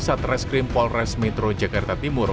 satreskrim polres metro jakarta timur